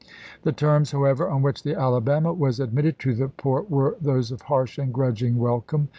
The terms, however, on which the Alabama was admitted to the port were those of harsh and grudging welcome.